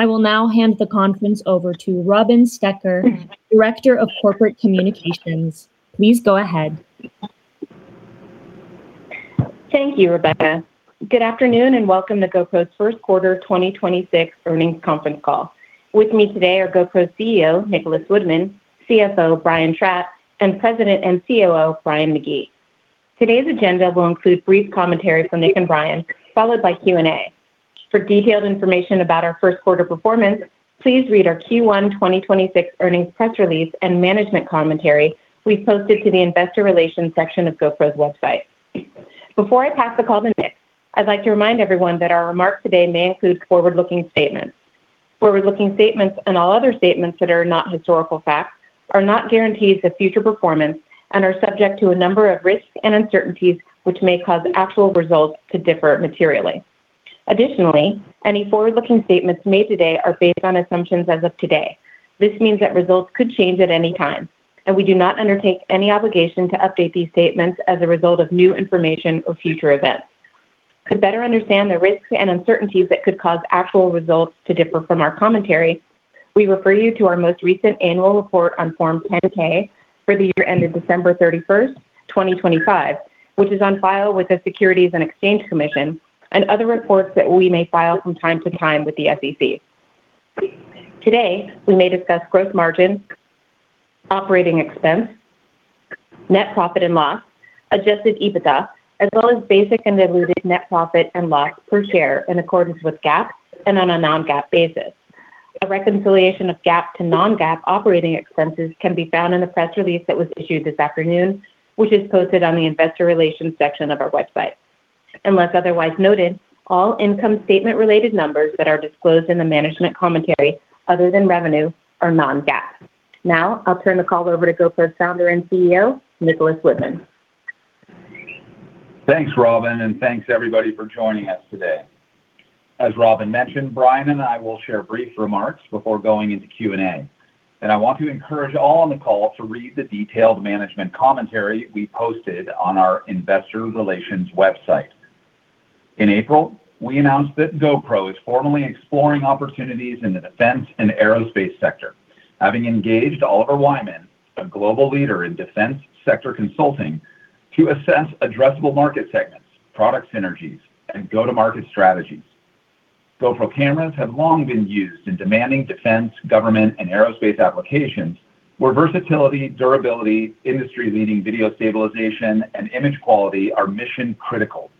I will now hand the conference over to Robin Stoecker, Director of Corporate Communications. Please go ahead. Thank you, Rebecca. Good afternoon, and welcome to GoPro's first quarter 2026 earnings conference call. With me today are GoPro's CEO, Nicholas Woodman, CFO, Brian Tratt, and President and COO, Brian McGee. Today's agenda will include brief commentary from Nick and Brian, followed by Q&A. For detailed information about our first quarter performance, please read our Q1 2026 earnings press release and management commentary we posted to the investor relations section of GoPro's website. Before I pass the call to Nick, I'd like to remind everyone that our remarks today may include forward-looking statements. Forward-looking statements and all other statements that are not historical facts are not guarantees of future performance and are subject to a number of risks and uncertainties, which may cause actual results to differ materially. Additionally, any forward-looking statements made today are based on assumptions as of today. This means that results could change at any time, and we do not undertake any obligation to update these statements as a result of new information or future events. To better understand the risks and uncertainties that could cause actual results to differ from our commentary, we refer you to our most recent annual report on Form 10-K for the year ended December 31st, 2025, which is on file with the Securities and Exchange Commission and other reports that we may file from time to time with the SEC. Today, we may discuss gross margins, operating expense, net profit and loss, adjusted EBITDA, as well as basic and diluted net profit and loss per share in accordance with GAAP and on a non-GAAP basis. A reconciliation of GAAP to non-GAAP operating expenses can be found in the press release that was issued this afternoon, which is posted on the investor relations section of our website. Unless otherwise noted, all income statement-related numbers that are disclosed in the management commentary, other than revenue, are non-GAAP. Now I'll turn the call over to GoPro Founder and CEO, Nicholas Woodman. Thanks, Robin, and thanks everybody for joining us today. As Robin mentioned, Brian and I will share brief remarks before going into Q&A, and I want to encourage all on the call to read the detailed management commentary we posted on our investor relations website. In April, we announced that GoPro is formally exploring opportunities in the defense and aerospace sector, having engaged Oliver Wyman, a global leader in defense sector consulting, to assess addressable market segments, product synergies, and go-to-market strategies. GoPro cameras have long been used in demanding defense, government, and aerospace applications where versatility, durability, industry-leading video stabilization, and image quality are mission-critical,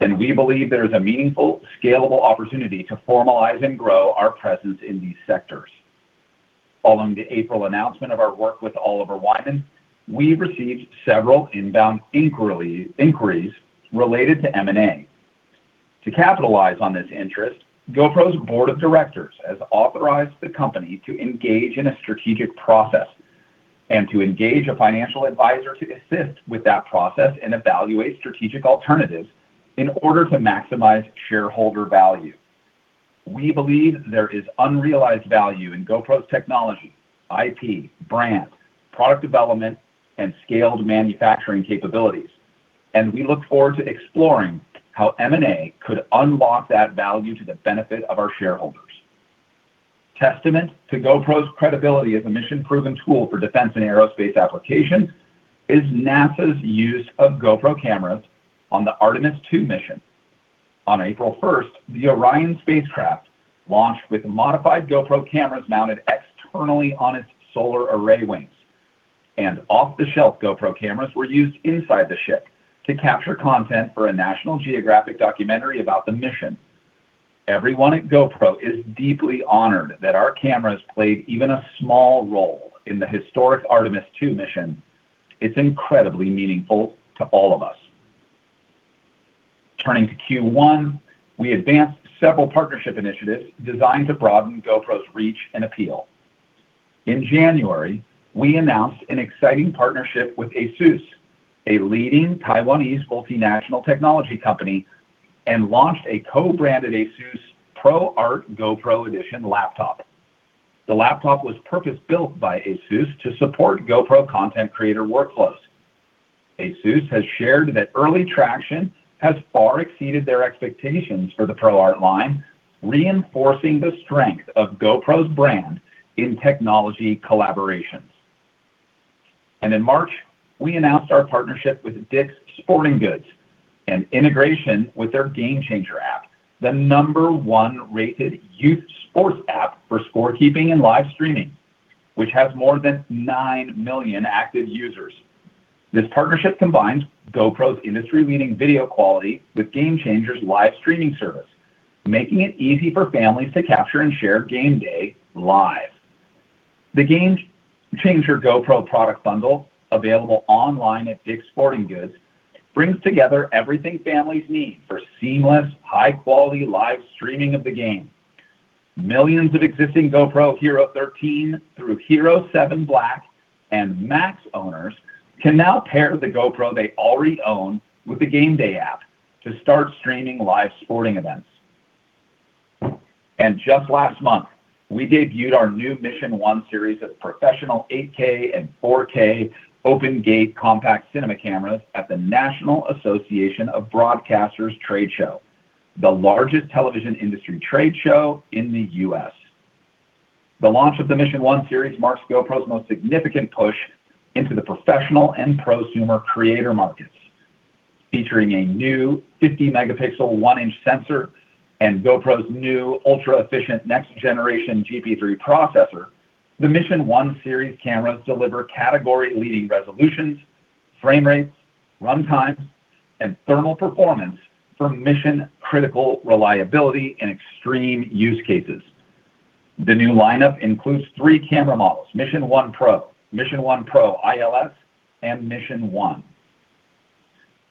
and we believe there is a meaningful, scalable opportunity to formalize and grow our presence in these sectors. Following the April announcement of our work with Oliver Wyman, we received several inbound inquiries related to M&A. To capitalize on this interest, GoPro's board of directors has authorized the company to engage in a strategic process and to engage a financial advisor to assist with that process and evaluate strategic alternatives in order to maximize shareholder value. We believe there is unrealized value in GoPro's technology, IP, brand, product development, and scaled manufacturing capabilities, and we look forward to exploring how M&A could unlock that value to the benefit of our shareholders. Testament to GoPro's credibility as a mission-proven tool for defense and aerospace application is NASA's use of GoPro cameras on the Artemis II mission. On April 1st, the Orion spacecraft launched with modified GoPro cameras mounted externally on its solar array wings, and off-the-shelf GoPro cameras were used inside the ship to capture content for a National Geographic documentary about the mission. Everyone at GoPro is deeply honored that our cameras played even a small role in the historic Artemis II mission. It's incredibly meaningful to all of us. Turning to Q1, we advanced several partnership initiatives designed to broaden GoPro's reach and appeal. In January, we announced an exciting partnership with ASUS, a leading Taiwanese multinational technology company, and launched a co-branded ASUS ProArt GoPro Edition laptop. The laptop was purpose-built by ASUS to support GoPro content creator workflows. ASUS has shared that early traction has far exceeded their expectations for the ProArt line, reinforcing the strength of GoPro's brand in technology collaborations. In March, we announced our partnership with DICK's Sporting Goods and integration with their GameChanger app, the number one-rated youth sports app for scorekeeping and live streaming, which has more than 9,000,000 active users. This partnership combines GoPro's industry-leading video quality with GameChanger's live streaming service, making it easy for families to capture and share game day live. The GameChanger GoPro product bundle, available online at Dick's Sporting Goods, brings together everything families need for seamless, high-quality live streaming of the game. Millions of existing GoPro HERO13 Black through HERO7 Black and MAX owners can now pair the GoPro they already own with the GameChanger app to start streaming live sporting events. Just last month, we debuted our new MISSION 1 Series of professional 8K and 4K open-gate compact cinema cameras at the National Association of Broadcasters trade show, the largest television industry trade show in the U.S. The launch of the MISSION 1 Series marks GoPro's most significant push into the professional and prosumer creator markets. Featuring a new 50 MP 1 in sensor and GoPro's new ultra-efficient next generation GP3 processor, the MISSION 1 Series cameras deliver category-leading resolutions, frame rates, runtimes, and thermal performance for mission-critical reliability in extreme use cases. The new lineup includes three camera models: MISSION 1 PRO, MISSION 1 PRO ILS, and MISSION 1.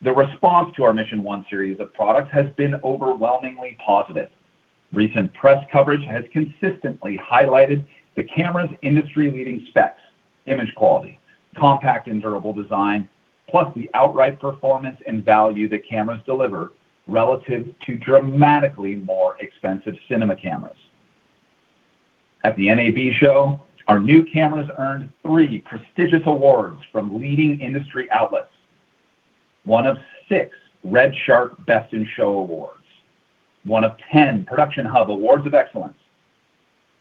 The response to our MISSION 1 series of products has been overwhelmingly positive. Recent press coverage has consistently highlighted the camera's industry-leading specs, image quality, compact and durable design, plus the outright performance and value the cameras deliver relative to dramatically more expensive cinema cameras. At the NAB Show, our new cameras earned three prestigious awards from leading industry outlets. One of six RedShark Best in Show Awards, one of 10 ProductionHUB Awards of Excellence,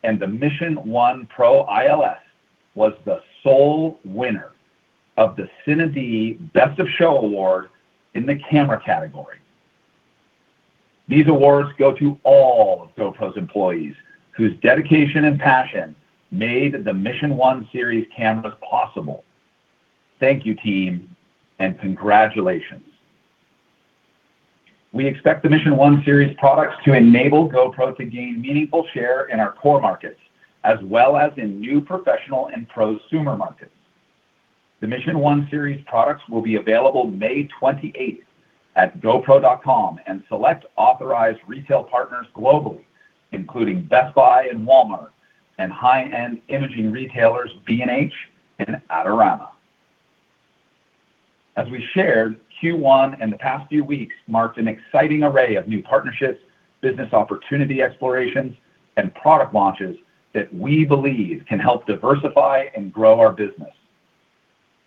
and the MISSION 1 PRO ILS was the sole winner of the CineD Best-of-Show Award in the camera category. These awards go to all of GoPro's employees whose dedication and passion made the MISSION 1 Series cameras possible. Thank you, team, and congratulations. We expect the MISSION 1 Series products to enable GoPro to gain meaningful share in our core markets, as well as in new professional and prosumer markets. The MISSION 1 Series products will be available May 28 at gopro.com and select authorized retail partners globally, including Best Buy and Walmart, and high-end imaging retailers B&H and Adorama. As we shared, Q1 and the past few weeks marked an exciting array of new partnerships, business opportunity explorations, and product launches that we believe can help diversify and grow our business.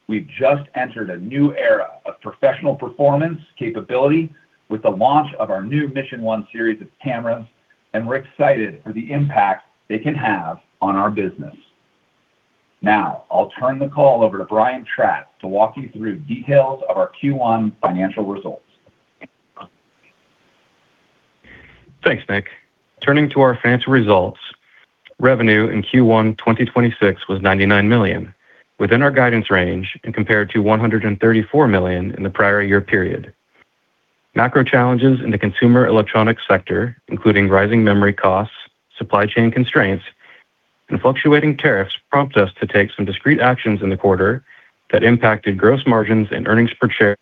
We've just entered a new era of professional performance capability with the launch of our new MISSION 1 series of cameras, and we're excited for the impact they can have on our business. Now, I'll turn the call over to Brian Tratt to walk you through details of our Q1 financial results. Thanks, Nick. Turning to our financial results, revenue in Q1 2026 was $99 million, within our guidance range and compared to $134 million in the prior year period. Macro challenges in the consumer electronics sector, including rising memory costs, supply chain constraints, and fluctuating tariffs, prompted us to take some discrete actions in the quarter that impacted gross margins and earnings per share.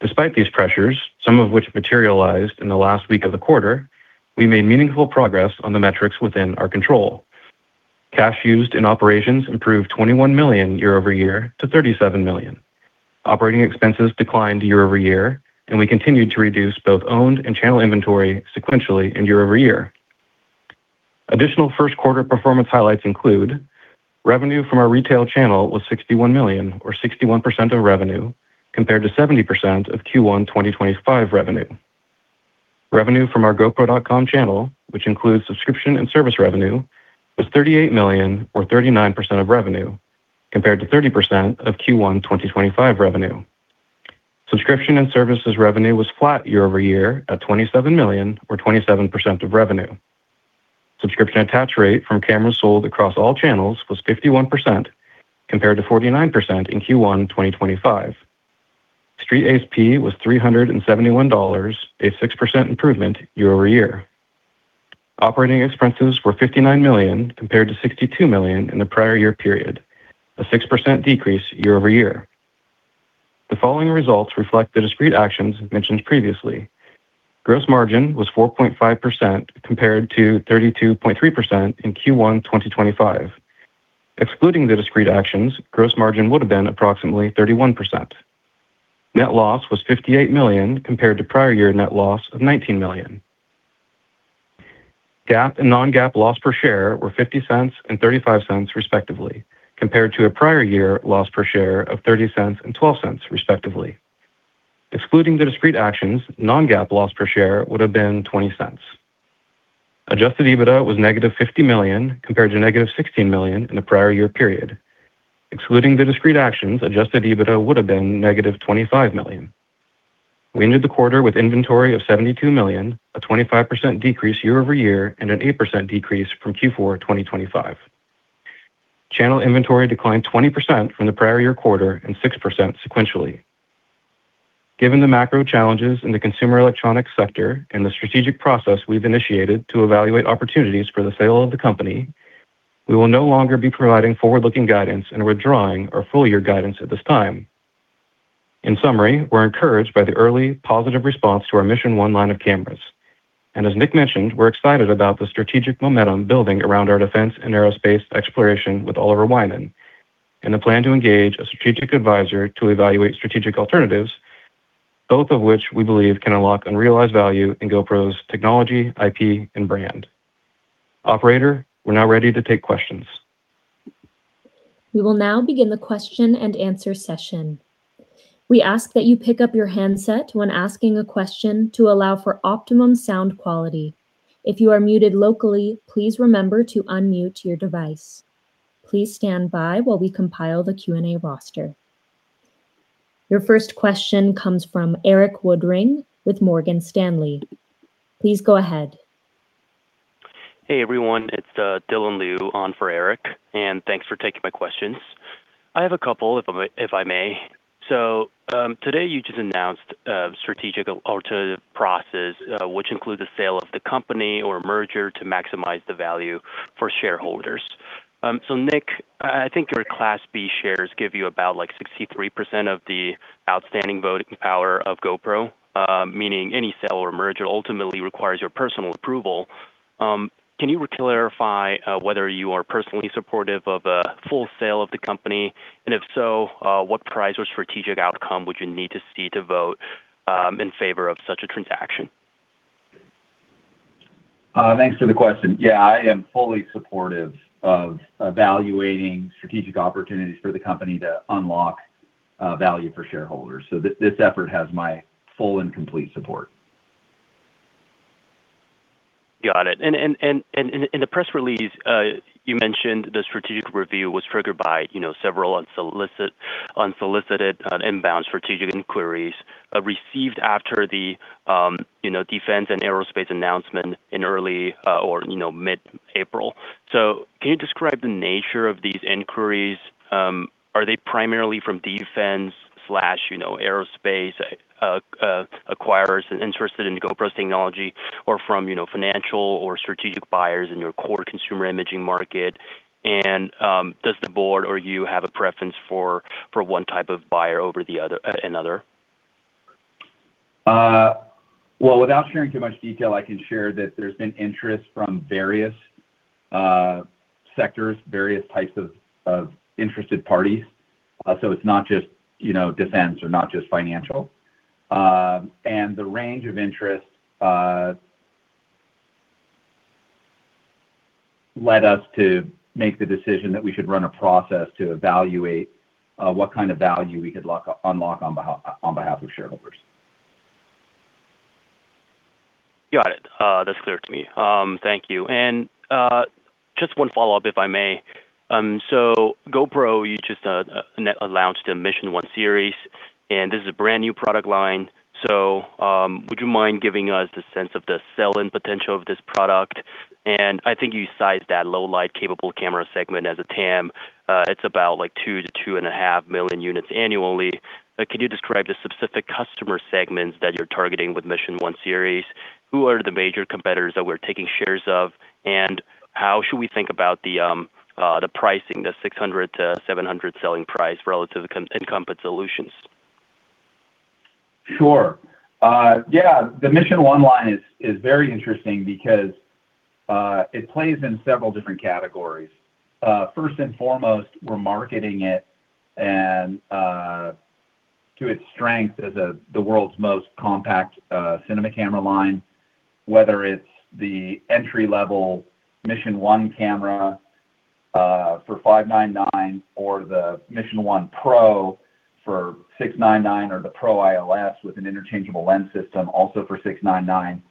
Despite these pressures, some of which materialized in the last week of the quarter, we made meaningful progress on the metrics within our control. Cash used in operations improved $21 million year-over-year to $37 million. Operating expenses declined year-over-year, and we continued to reduce both owned and channel inventory sequentially and year-over-year. Additional first quarter performance highlights include revenue from our retail channel was $61 million or 61% of revenue, compared to 70% of Q1 2025 revenue. Revenue from our gopro.com channel, which includes subscription and service revenue, was $38 million or 39% of revenue, compared to 30% of Q1 2025 revenue. Subscription and services revenue was flat year-over-year at $27 million or 27% of revenue. Subscription attach rate from cameras sold across all channels was 51%, compared to 49% in Q1 2025. Street ASP was $371, a 6% improvement year over year. Operating expenses were $59 million compared to $62 million in the prior year period, a 6% decrease year-over-year. The following results reflect the discrete actions mentioned previously. Gross margin was 4.5% compared to 32.3% in Q1 2025. Excluding the discrete actions, gross margin would have been approximately 31%. Net loss was $58 million compared to prior year net loss of $19 million. GAAP and non-GAAP loss per share were $0.50 and $0.35, respectively, compared to a prior year loss per share of $0.30 and $0.12, respectively. Excluding the discrete actions, non-GAAP loss per share would have been $0.20. Adjusted EBITDA was -$50 million, compared to -$16 million in the prior year period. Excluding the discrete actions, adjusted EBITDA would have been -$25 million. We ended the quarter with inventory of $72 million, a 25% decrease year-over-year, and an 8% decrease from Q4 2025. Channel inventory declined 20% from the prior year quarter and 6% sequentially. Given the macro challenges in the consumer electronic sector and the strategic process we've initiated to evaluate opportunities for the sale of the company, we will no longer be providing forward-looking guidance and are withdrawing our full-year guidance at this time. In summary, we're encouraged by the early positive response to our MISSION 1 line of cameras. As Nick mentioned, we're excited about the strategic momentum building around our defense and aerospace exploration with Oliver Wyman and the plan to engage a strategic advisor to evaluate strategic alternatives, both of which we believe can unlock unrealized value in GoPro's technology, IP, and brand. Operator, we're now ready to take questions We will now begin the question-and-answer session. We ask that you pick up your handset when asking a question to allow for optimum sound quality. If you are muted locally, please remember to unmute your device. Please stand by while we compile the Q&A roster. Your first question comes from Erik Woodring with Morgan Stanley. Please go ahead. Hey, everyone. It's Dylan Liu on for Erik, and thanks for taking my questions. I have a couple if I may. Today you just announced a strategic alternative process, which includes the sale of the company or merger to maximize the value for shareholders. Nick, I think your Class B shares give you about like 63% of the outstanding voting power of GoPro, meaning any sale or merger ultimately requires your personal approval. Can you clarify whether you are personally supportive of a full sale of the company? If so, what price or strategic outcome would you need to see to vote in favor of such a transaction? Thanks for the question. Yeah, I am fully supportive of evaluating strategic opportunities for the company to unlock value for shareholders. This effort has my full and complete support. Got it. In the press release, you mentioned the strategic review was triggered by, you know, several unsolicited inbound strategic inquiries received after the, you know, defense and aerospace announcement in early, or, you know, mid-April. Can you describe the nature of these inquiries? Are they primarily from defense/, you know, aerospace acquirers interested in GoPro's technology or from, you know, financial or strategic buyers in your core consumer imaging market? Does the board or you have a preference for one type of buyer over the other, another? Well, without sharing too much detail, I can share that there's been interest from various sectors, various types of interested parties. It's not just, you know, defense or not just financial. The range of interest led us to make the decision that we should run a process to evaluate what kind of value we could unlock on behalf of shareholders. Got it. That's clear to me. Thank you. Just one follow-up, if I may. GoPro, you just announced the MISSION 1 Series, and this is a brand-new product line. Would you mind giving us the sense of the sell-in potential of this product? I think you sized that low-light capable camera segment as a TAM. It's about like 2 million-2.5 million units annually. Can you describe the specific customer segments that you're targeting with MISSION 1 Series? Who are the major competitors that we're taking shares of? How should we think about the pricing, the $600-$700 selling price relative incumbent solutions? Sure. The MISSION 1 line is very interesting because it plays in several different categories. First and foremost, we're marketing it and to its strength as the world's most compact cinema camera line, whether it's the entry-level MISSION 1 camera for $599 or the MISSION 1 PRO for $699 or the PRO ILS with an interchangeable lens system also for $699.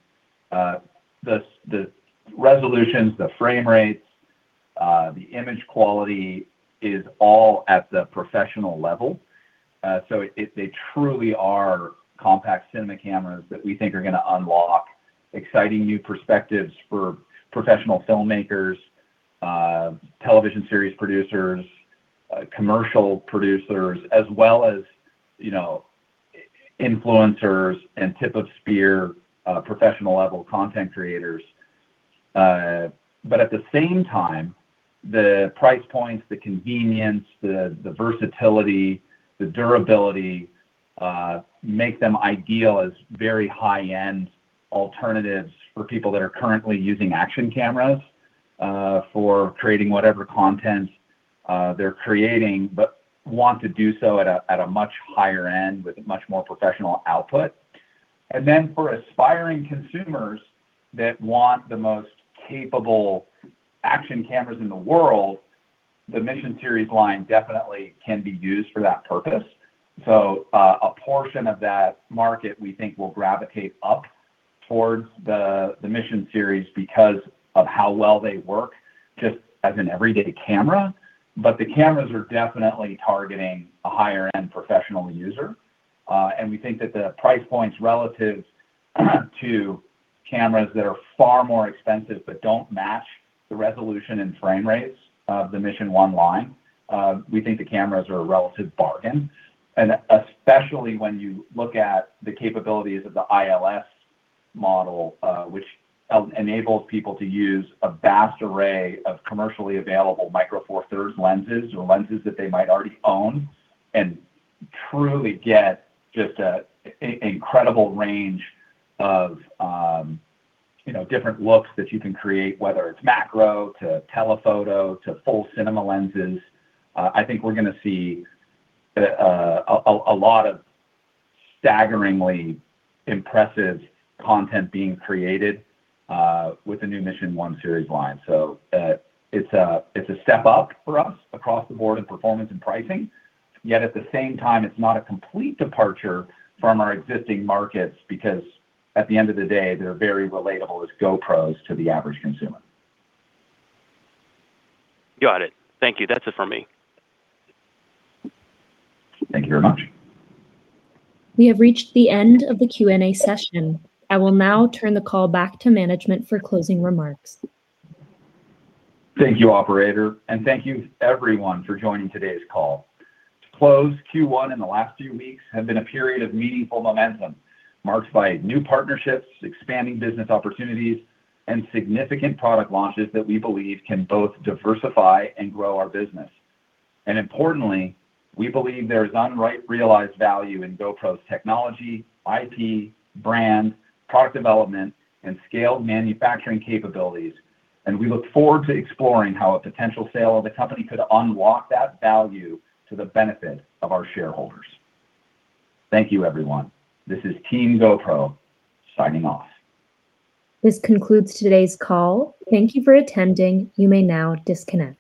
The resolutions, the frame rates, the image quality is all at the professional level. They truly are compact cinema cameras that we think are gonna unlock exciting new perspectives for professional filmmakers, television series producers, commercial producers, as well as, you know, influencers and tip-of-spear professional-level content creators. At the same time, the price points, the convenience, the versatility, the durability make them ideal as very high-end alternatives for people that are currently using action cameras for creating whatever content they're creating, but want to do so at a much higher end with a much more professional output. For aspiring consumers that want the most capable action cameras in the world, the MISSION Series line definitely can be used for that purpose. A portion of that market we think will gravitate up towards the MISSION Series because of how well they work just as an everyday camera. The cameras are definitely targeting a higher end professional user. We think that the price points relative to cameras that are far more expensive but don't match the resolution and frame rates of the MISSION 1 line, we think the cameras are a relative bargain. Especially when you look at the capabilities of the ILS model, which enables people to use a vast array of commercially available Micro Four Thirds lenses or lenses that they might already own, and truly get just an incredible range of, you know, different looks that you can create, whether it's macro to telephoto to full cinema lenses. I think we're gonna see a lot of staggeringly impressive content being created with the new MISSION 1 Series line. It's a step up for us across the board in performance and pricing. Yet at the same time, it's not a complete departure from our existing markets because at the end of the day, they're very relatable as GoPros to the average consumer. Got it. Thank you. That's it from me. Thank you very much. We have reached the end of the Q&A session. I will now turn the call back to management for closing remarks. Thank you, operator, and thank you everyone for joining today's call. To close, Q1 and the last few weeks have been a period of meaningful momentum, marked by new partnerships, expanding business opportunities, and significant product launches that we believe can both diversify and grow our business. Importantly, we believe there's unrealized value in GoPro's technology, IP, brand, product development, and scaled manufacturing capabilities, and we look forward to exploring how a potential sale of the company could unlock that value to the benefit of our shareholders. Thank you, everyone. This is Team GoPro signing off. This concludes today's call. Thank you for attending. You may now disconnect.